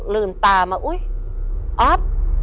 ลืมตามาอุ๊ยออฟ